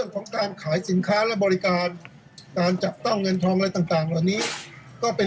ขายสินค้าและบริการต้องเงินทองอะไรต่างตอนนี้ก็เป็น